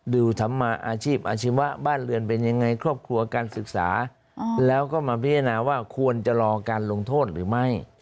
ดูธรรมาอาชีพอาชีวะบ้านเรือนเป็นยังไงครอบครัวการศึกษาแล้วก็มาพิจารณาว่าควรจะรอการลงโทษหรือไม่